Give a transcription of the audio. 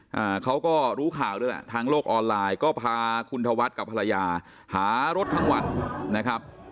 อ่าเขาก็รู้ข่าวด้วยแหละทางโลกออนไลน์ก็พาคุณธวัฒน์กับภรรยาหารถทั้งวันนะครับ